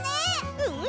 うん！